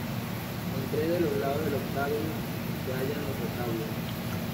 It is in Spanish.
En tres de los lados del octógono se hallan los retablos.